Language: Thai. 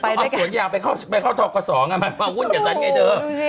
เอาสวนยาวไปเข้าท็อกกระส่องมาหุ้นกับฉันไงเธอ